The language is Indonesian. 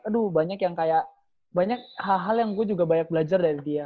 aduh banyak yang kayak banyak hal hal yang gue juga banyak belajar dari dia